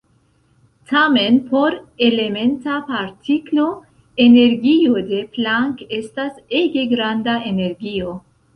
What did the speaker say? Tamen por elementa partiklo energio de Planck estas ege granda energio.